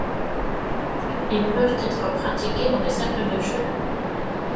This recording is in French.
Ils peuvent être pratiqués dans des cercles de jeu.